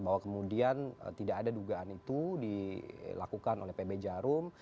bahwa kemudian tidak ada dugaan itu dilakukan oleh pb jarum